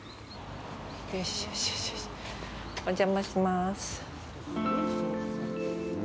お邪魔します。